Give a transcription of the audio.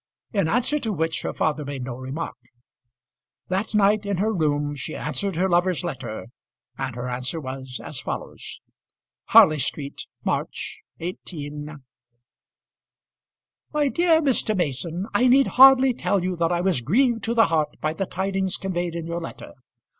In answer to which her father made no remark. That night, in her own room, she answered her lover's letter, and her answer was as follows: Harley Street, March, 18 . MY DEAR MR. MASON, I need hardly tell you that I was grieved to the heart by the tidings conveyed in your letter.